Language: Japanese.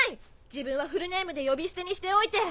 自分はフルネームで呼び捨てにしておいて！